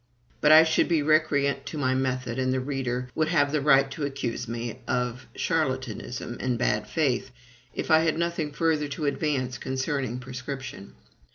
But I should be recreant to my method, and the reader would have the right to accuse me of charlatanism and bad faith, if I had nothing further to advance concerning prescription.